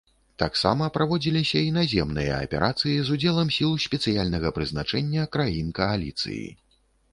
Таксама праводзіліся і наземныя аперацыі з удзелам сіл спецыяльнага прызначэння краін кааліцыі.